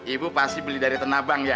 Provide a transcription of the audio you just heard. ibu pasti beli dari tenabang ya